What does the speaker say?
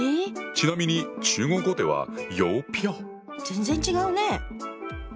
⁉ちなみに中国語では全然違うね。